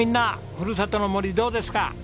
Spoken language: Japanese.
ふるさとの森どうですか？